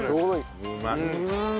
うまい。